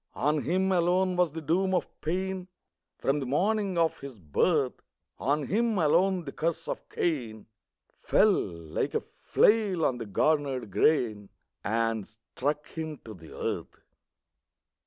On him alone was the doom of pain, From the morning of his birth; On him alone the curse of Cain Fell, like a flail on the garnered grain, And struck him to the earth!